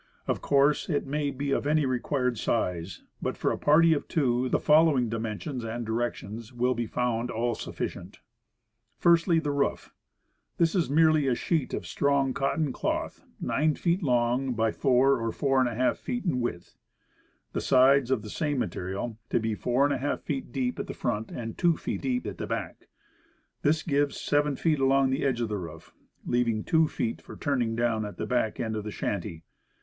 Of course, it may be of any required size; but, for a party of two, the following dimensions and directions will be found all sufficient: Firstly, the roof. This is merely a sheet of strong cotton cloth 9 feet long by 4 or 4^ feet in width. The sides, of the same material, to be 4^4 feet deep at front, and 2 feet deep at the back. This gives 7 feet along the edge of the roof, leaving 2 feet for turning down at the back end of the shanty.